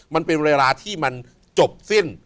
มันเป็นเวลาที่มันจบสิ้น